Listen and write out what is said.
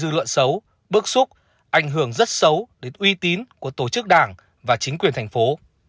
lựa xấu bước xúc ảnh hưởng rất xấu đến uy tín của tổ chức đảng và chính quyền thành phố